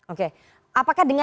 oke apakah dengan